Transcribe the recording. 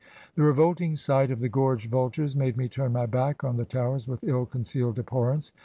The revolting sight of the gorged vultures made me turn my back on the Towers with ill concealed abhor rence.